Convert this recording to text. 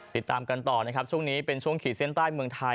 ติดตามกันต่อนะครับช่วงนี้เป็นช่วงขีดเส้นใต้เมืองไทย